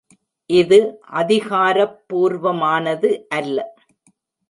'இது அதிகாரப்பூர்வமானது அல்ல.